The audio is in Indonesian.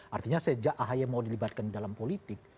artinya sejak ahaya mau dilibatkan dalam politik